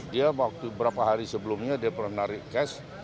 dia waktu beberapa hari sebelumnya dia pernah narik cash